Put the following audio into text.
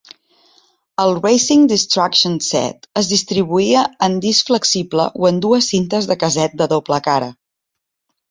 El "Racing Destruction Set" es distribuïa en disc flexible o en dues cintes de casset de doble cara.